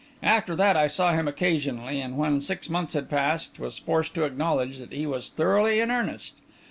After that, I saw him occasionally, and when six months had passed, was forced to acknowledge that he was thoroughly in earnest.